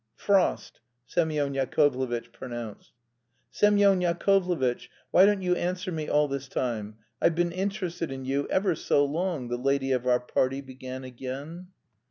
"Frost," Semyon Yakovlevitch pronounced. "Semyon Yakovlevitch, why don't you answer me all this time? I've been interested in you ever so long," the lady of our party began again.